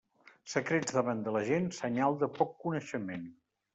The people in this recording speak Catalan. Secrets davant de la gent, senyal de poc coneixement.